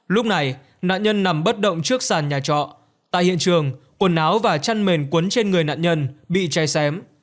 lúc này nạn nhân nằm bất động trước sàn nhà trọ tại hiện trường quần áo và chăn mềm cuốn trên người nạn nhân bị cháy xém